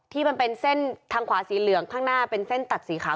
ที่เป็นเส้นทางขวาสีเหลืองข้างหน้าเป็นเส้นตัดสีขาว